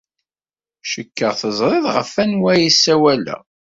Cikkeɣ teẓrid ɣef wanwa ay ssawaleɣ.